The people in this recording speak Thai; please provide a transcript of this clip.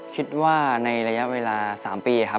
คิดว่าในระยะเวลา๓ปีครับ